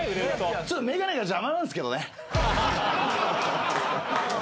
ちょっとメガネが邪魔なんすけどね。